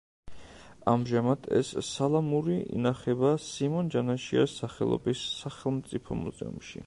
ამჟამად ეს სალამური ინახება სიმონ ჯანაშიას სახელობის სახელმწიფო მუზეუმში.